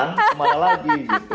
kemana lagi gitu